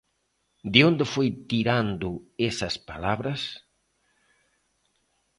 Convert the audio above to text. De onde foi tirando esas palabras?